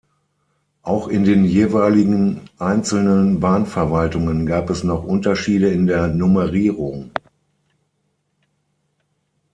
Auch in den jeweiligen einzelnen Bahnverwaltungen gab es noch Unterschiede in der Nummerierung.